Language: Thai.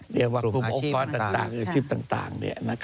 คุมโอเคราะห์ต่างอาชีพต่าง